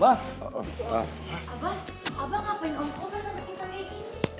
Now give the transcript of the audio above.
abah ngapain om koko bersama kita lagi ini